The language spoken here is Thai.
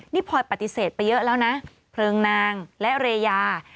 นี่พลอยปฏิเสธไปเยอะแล้วนะเพลิงนางและเรยา